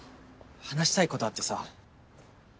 話したいことあってさ。